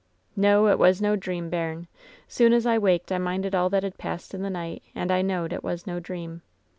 "No, it was no dream, bairn. Soon as I waked I minded all that had passed in the night, and I knowed it was no dream.